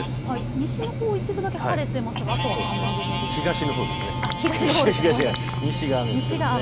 西のほう一部だけ晴れていますがあとは雨雲ですね。